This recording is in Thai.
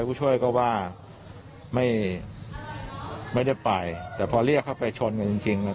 ผู้ช่วยก็ว่าไม่ไม่ได้ไปแต่พอเรียกเข้าไปชนกันจริงจริง